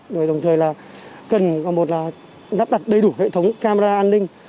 đồng thời là cần gặp đặt đầy đủ hệ thống camera an ninh